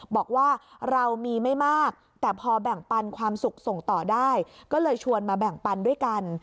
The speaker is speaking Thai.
บอกว่าเรามีไม่มากแต่พอแบ่งปันความสุขส่งต่อได้ก็เลยชวนมาแบ่งปันด้วยกัน